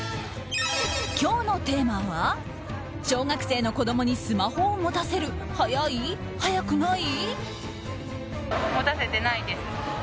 今日のテーマは小学生の子供にスマホを持たせる早い？早くない？